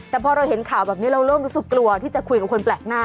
แต่พอเราเห็นข่าวแบบนี้เราเริ่มรู้สึกกลัวที่จะคุยกับคนแปลกหน้า